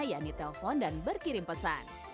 yakni telepon dan berkirim pesan